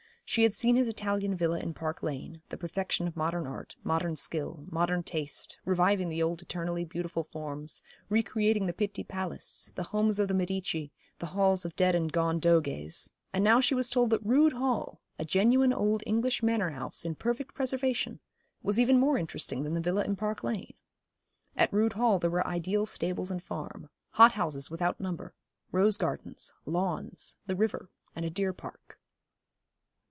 She had seen his Italian villa in Park Lane, the perfection of modern art, modern skill, modern taste, reviving the old eternally beautiful forms, recreating the Pitti Palace the homes of the Medici the halls of dead and gone Doges and now she was told that Rood Hall a genuine old English manor house, in perfect preservation was even more interesting than the villa in Park Lane. At Rood Hall there were ideal stables and farm, hot houses without number, rose gardens, lawns, the river, and a deer park.